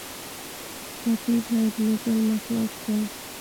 ټپي باید له ظلمه خلاص کړئ.